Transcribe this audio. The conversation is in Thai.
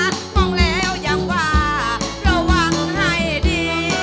มองแล้วยังว่าระวังให้ดี